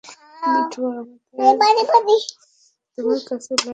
মিঠুন, তোমার কাছে লাইটার আছে?